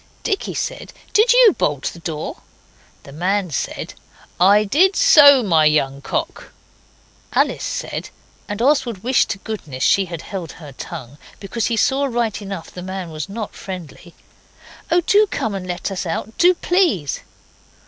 Dicky said, 'Did you bolt the door?' The man said, 'I did so, my young cock.' Alice said and Oswald wished to goodness she had held her tongue, because he saw right enough the man was not friendly 'Oh, do come and let us out do, please.